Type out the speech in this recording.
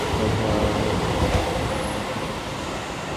ভারতীয় সর্বসাধারণের মধ্যে নিহিত অগাধ কার্যকরী শক্তিকে ব্যবহারে আনিতে হইবে।